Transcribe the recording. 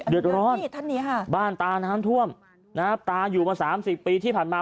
เดือดร้อนบ้านตาน้ำท่วมนะครับตาอยู่มา๓๐ปีที่ผ่านมา